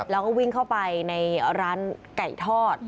แล้วก็วิ่งเข้าไปในร้านไก่ทอด